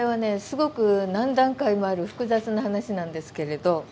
すごく何段階もある複雑な話なんですけれど。